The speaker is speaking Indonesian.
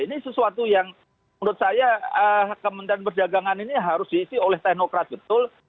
ini sesuatu yang menurut saya kementerian perdagangan ini harus diisi oleh teknokrat betul